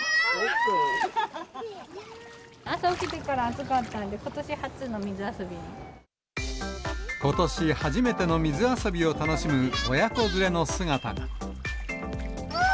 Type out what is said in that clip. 朝起きてから暑かったんで、ことし初めての水遊びを楽しむ親子連れの姿が。